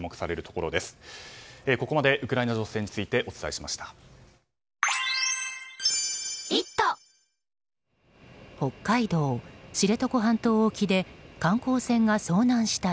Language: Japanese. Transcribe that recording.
ここまでウクライナ情勢についてお伝えしました。